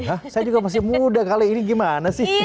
ah saya juga masih muda kali ini gimana sih